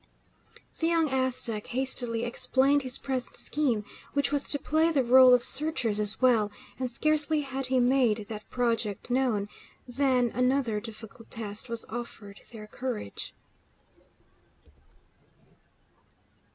The young Aztec hastily explained his present scheme, which was to play the role of searchers as well; and scarcely had he made that project known, than another difficult test was offered their courage.